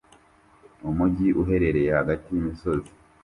Umujyi uherereye hagati y'imisozi